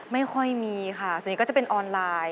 ไม่ค่อยมีค่ะส่วนใหญ่ก็จะเป็นออนไลน์